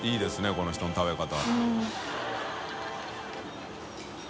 この人の食べ方。